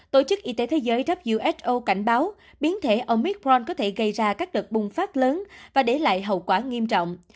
tổ chức y tế thế giới cảnh báo biến thể omicron có thể gây ra các đợt bùng phát lớn và để lại hậu quả nghiêm trọng